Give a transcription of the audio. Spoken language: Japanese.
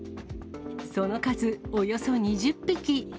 その数およそ２０匹。